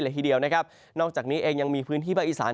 ทีเดียวนะครับนอกจากนี้เองยังมีพื้นที่ภาคอีสาน